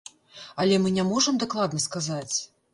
Але мы не можам дакладна сказаць.